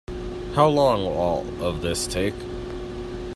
How long will all of this take?